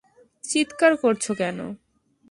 চিৎকার করছ কেন?